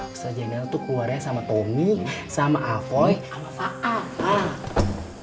ustadz zainal tuh keluarnya sama tommy sama afoy sama fa'af